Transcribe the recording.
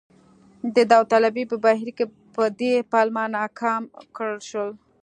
د داوطلبۍ په بهیر کې په دې پلمه ناکام کړل شو.